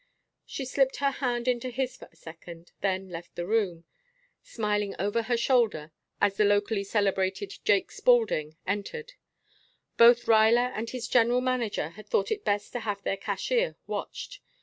She slipped her hand into his for a second, then left the room, smiling over her shoulder, as the locally celebrated "Jake" Spaulding entered. Both Ruyler and his general manager had thought it best to have their cashier watched.